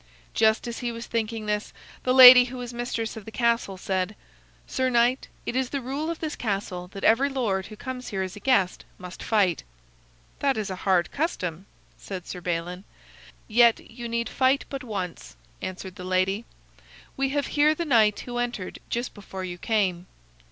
Just as he was thinking this, the lady who was mistress of the castle said: "Sir knight, it is the rule of this castle that every lord who comes here as a guest must fight." "That is a hard custom," said Sir Balin. "Yet you need fight but once," answered the lady. "We have here the knight who entered just before you came."